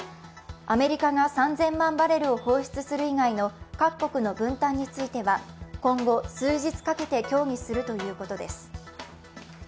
アメリカが３０００万バレルを放出する以外の各国の分担については、今後、数日かけて協議するということです。